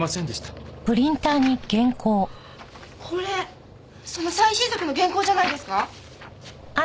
これその最新作の原稿じゃないですか？